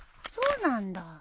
そうなんだ。